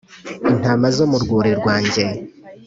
intama zo mu rwuri rwanjye